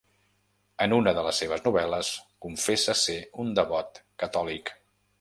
En una de les seves novel·les confessa ser un devot catòlic.